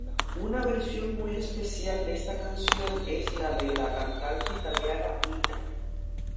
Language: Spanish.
Una versión muy especial de esta canción es la de la cantante italiana Mina.